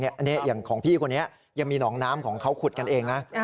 อันนี้อย่างของพี่คนนี้ยังมีหนองน้ำของเขาขุดกันเองนะ